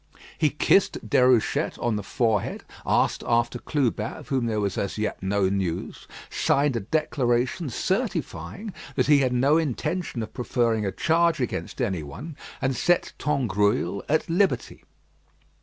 He kissed Déruchette on the forehead, asked after Clubin, of whom there was as yet no news, signed a declaration certifying that he had no intention of preferring a charge against anyone, and set Tangrouille at liberty.